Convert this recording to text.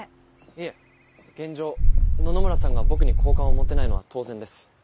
いえ現状野々村さんが僕に好感を持てないのは当然です。